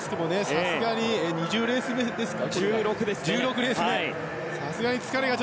さすがに２０レース目ですかこれが。